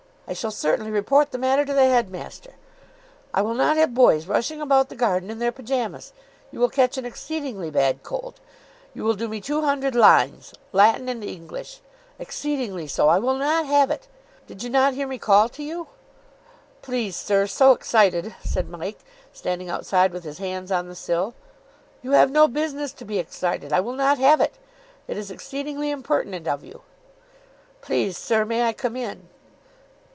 I shall certainly report the matter to the headmaster. I will not have boys rushing about the garden in their pyjamas. You will catch an exceedingly bad cold. You will do me two hundred lines, Latin and English. Exceedingly so. I will not have it. Did you not hear me call to you?" "Please, sir, so excited," said Mike, standing outside with his hands on the sill. "You have no business to be excited. I will not have it. It is exceedingly impertinent of you." "Please, sir, may I come in?"